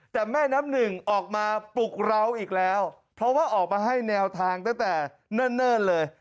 แต่แม่น้ำหนึ่งออกมาปลุกเราอีกแล้วเพราะว่าออกมาให้แนวทางตั้งแต่เนิ่นเลย